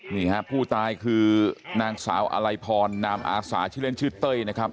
นี่ฮะผู้ตายคือนางสาวอลัยพรนามอาสาชื่อเล่นชื่อเต้ยนะครับ